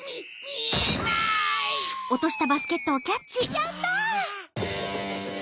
やった！